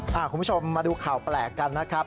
คุณผู้ชมมาดูข่าวแปลกกันนะครับ